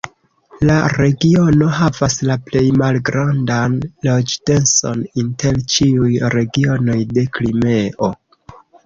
La regiono havas la plej malgrandan loĝ-denson inter ĉiuj regionoj de Krimeo.